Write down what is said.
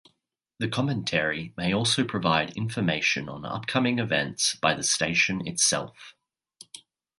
The commentary may also provide information on upcoming events by the station itself.